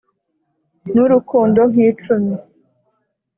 n'urukundo nk'icumi